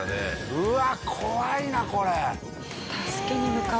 うわっ怖いなこれ。